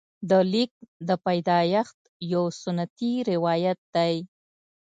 د لیک د پیدایښت یو سنتي روایت دی.